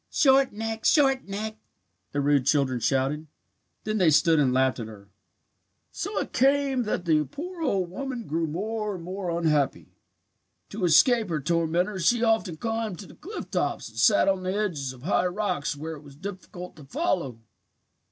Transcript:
"'Short neck! Short neck!' the rude children shouted. Then they stood and laughed at her. "So it came that the poor old woman grew more and more unhappy. To escape her tormentors she often climbed to the cliff tops and sat on the edges of high rocks where it was difficult to follow.